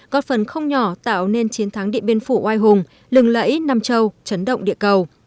gót phần không nhỏ tạo nên chiến thắng địa biên phủ oai hùng lừng lẫy nằm trâu chấn động địa cầu